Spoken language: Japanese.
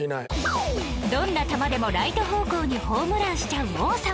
どんな球でもライト方向にホームランしちゃう王さん